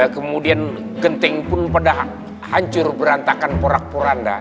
kemudian genting pun pada hancur berantakan porak poranda